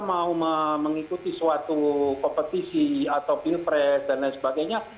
mau mengikuti suatu kompetisi atau pilpres dan lain sebagainya